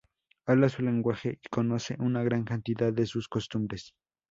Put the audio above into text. Habla su lenguaje y conoce una gran cantidad de sus costumbres.